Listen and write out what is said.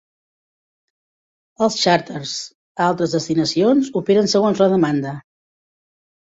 Els xàrters a altres destinacions operen segons la demanda.